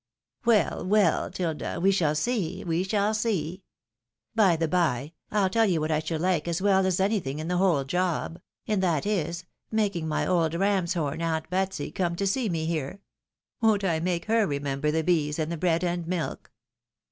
" Well, well, 'Tilda, we shall see, we shall see. By the by, I'll tell you what I should like as well as anything in the whole job, and that is, making my old ramshorn aunt Betsy come to see me here. Won't I make her remember the bees and the bread and milk?